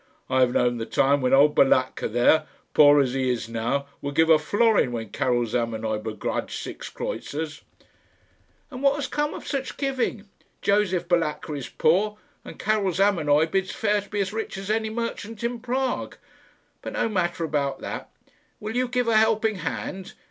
I have known the time when old Balatka there, poor as he is now, would give a florin when Karil Zamenoy begrudged six kreutzers." "And what has come of such giving? Josef Balatka is poor, and Karil Zamenoy bids fair to be as rich as any merchant in Prague. But no matter about that. Will you give a helping hand?